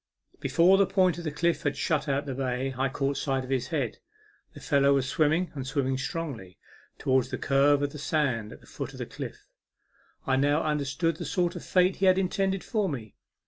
Before the point of cliffs had shut out the bay, I caught sight of his head. The fellow was swimming, and swimming strongly, towards the curve of the sand at the foot of the cliff. I now understood the sort of fate he had intended for me.